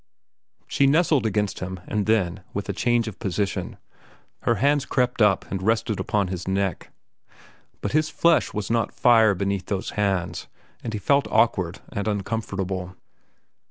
She nestled against him, and then, with a change of position, her hands crept up and rested upon his neck. But his flesh was not fire beneath those hands, and he felt awkward and uncomfortable.